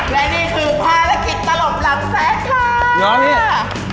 และนี่คือภารกิจตลบหลังแซคค่ะ